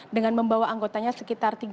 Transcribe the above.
dengan membawa anggotanya sekitar tiga orang